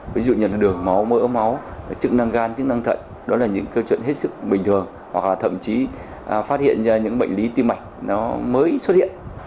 ví dụ như là đường máu mỡ máu chức năng gan chức năng thận đó là những câu chuyện hết sức bình thường hoặc là thậm chí phát hiện ra những bệnh lý tim mạch nó mới xuất hiện